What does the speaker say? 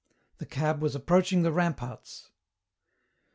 The cab was approaching the ramparts.